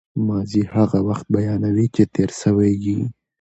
ماضي هغه وخت بیانوي، چي تېر سوی يي.